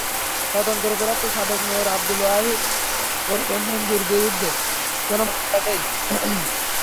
স্বতন্ত্র প্রার্থী সাবেক মেয়র আবদুল ওয়াহিদ ওরফে মজনুর বিরুদ্ধে কোনো মামলা নেই।